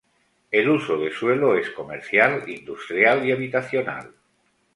El uso de suelo es comercial, industrial y habitacional.